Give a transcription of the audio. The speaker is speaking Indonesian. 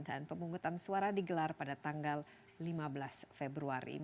dan pemungkutan suara digelar pada tanggal lima belas februari